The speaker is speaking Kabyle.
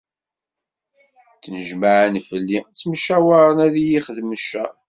Ttnejmaɛen fell-i, ttemcawaren ad iyi-xedmen ccer.